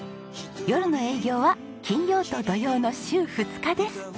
夜の営業は金曜と土曜の週２日です。